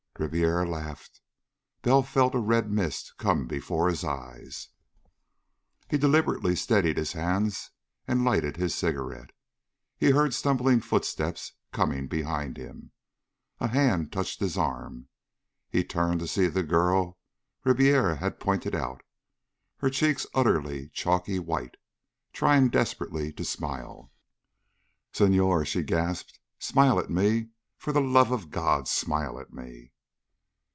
Ribiera laughed. Bell felt a red mist come before his eyes. He deliberately steadied his hands and lighted his cigarette. He heard stumbling footsteps coming behind him. A hand touched his arm. He turned to see the girl Ribiera had pointed out, her cheeks utterly, chalky white, trying desperately to smile. "Senhor!" she gasped. "Smile at me! For the love of God, smile at me!"